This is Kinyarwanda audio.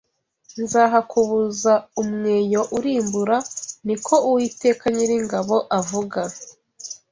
nzahakubuza umweyo urimbura ni ko Uwiteka Nyiringabo avuga